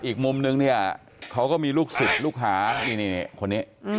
อีกมุมนึงเนี่ยเขาก็มีลูกศิษย์ลูกหานี่คนนี้